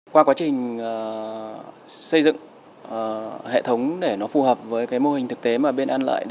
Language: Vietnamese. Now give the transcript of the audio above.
qua quá trình xây dựng hệ thống để nó phù hợp với mô hình thực tế